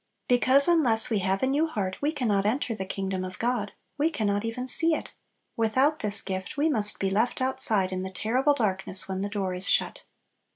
Because unless we have a new heart we can not enter the kingdom of God, we can not even see it! Without this gift we must be left outside in the terrible darkness when "the door is shut."